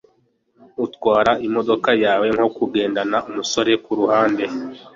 Utwara imodoka yawe nko kugendana umusore kuruhande